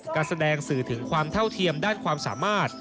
การแสดงสื่อถึงความเท่าเทียมด้านความสามารถ